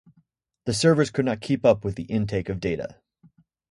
The servers could not keep up with the intake of data.